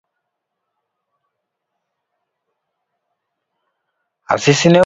Asisi ne openjore kendo.